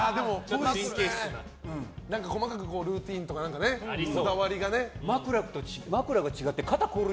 細かくルーティンとかこだわりがね。